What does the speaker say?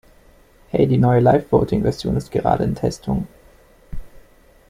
Hey, die neue LiveVoting Version ist gerade in Testung.